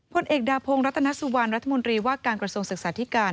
พลเอกดาพงศ์รัตนสุวรรณรัฐมนตรีว่าการกระทรวงศึกษาธิการ